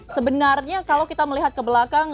sebenarnya kalau kita melihat ke belakang